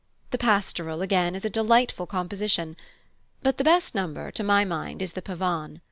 The Pastoral, again, is a delightful composition. But the best number, to my mind, is the Pavane.